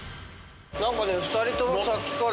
何か２人ともさっきから。